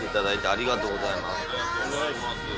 ありがとうございます。